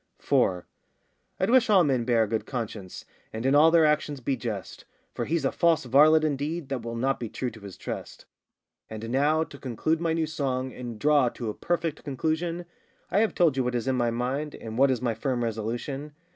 4. I'd wish all men bear a good conscience, And in all their actions be just; For he's a false varlet indeed That will not be true to his trust. And now to conclude my new song, And draw to a perfect conclusion, I have told you what is in my mind, And what is my [firm] resolution.